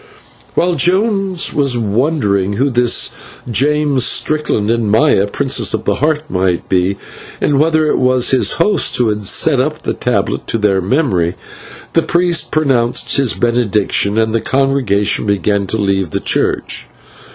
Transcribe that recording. While Jones was wondering who this James Strickland, and Maya, Princess of the Heart, might be, and whether it was his host who had set up the tablet to their memory, the priest pronounced his benediction, and the congregation began to leave the church.